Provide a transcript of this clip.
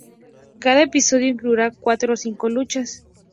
Cada episodio incluirá cuatro o cinco luchas.